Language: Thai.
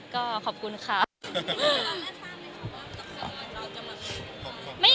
ก็ขอบคุณค่ะ